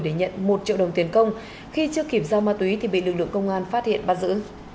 để nhận một triệu đồng tiền công khi chưa kịp giao ma túy thì bị lực lượng công an phát hiện bắt giữ